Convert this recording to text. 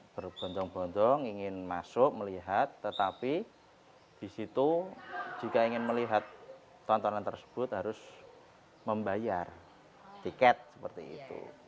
berbontong bontong ingin masuk melihat tetapi di situ jika ingin melihat tontonan tersebut harus membayar tiket seperti itu